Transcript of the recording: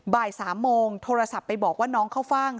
บ่าย๓โมงโทรศัพท์ไปบอกว่าน้องเข้าฟ่าง